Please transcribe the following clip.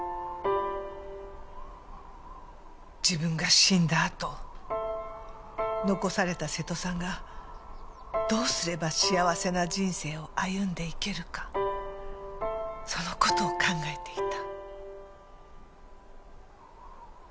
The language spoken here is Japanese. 自分が死んだあと残された瀬戸さんがどうすれば幸せな人生を歩んでいけるかその事を考えていた。